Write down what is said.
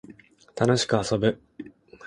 楽しく遊ぶ